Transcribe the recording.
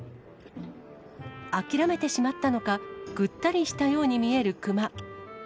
諦めてしまったのか、ぐったりしたように見える熊。